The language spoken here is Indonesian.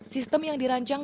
sistem yang dirancang